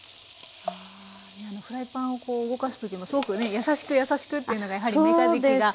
フライパンを動かす時もすごくね優しく優しくというのがやはりめかじきが。